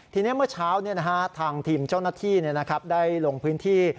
ทีนี้เมื่อเช้าทางทีมเจ้าหน้าที่ได้ลงพื้นที่